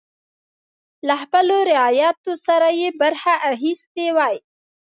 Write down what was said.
له خپلو رعیتو سره یې برخه اخیستې وای.